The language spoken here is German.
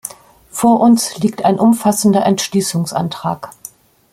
Vor uns liegt ein umfassender Entschließungsantrag.